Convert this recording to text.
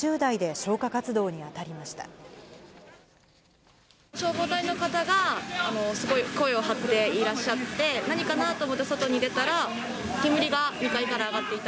消防隊の方がすごい声を張っていらっしゃって、何かなと思って外に出たら、煙が２階から上がっていた。